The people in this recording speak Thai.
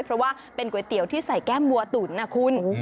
เพราะว่าเป็นก๋วยเตี๋ยวที่ใส่แก้มวัวตุ๋นนะคุณ